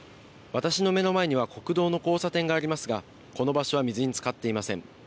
私の目の前には、国道の交差点がありますが、この場所は水につかっていません。